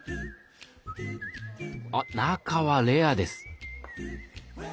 あっ中はレアです。